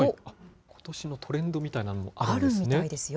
ことしのトレンドみたいなのあるんですね。